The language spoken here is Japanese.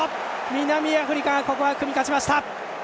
南アフリカがここは組み勝ちました！